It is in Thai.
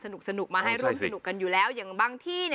สุดยอดน้ำมันเครื่องจากญี่ปุ่น